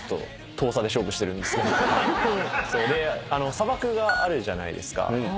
砂漠があるじゃないですか。